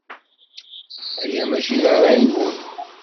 Aya maci d ṛṛay-nwen.